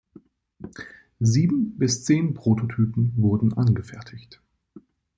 Sieben bis zehn Prototypen wurden angefertigt.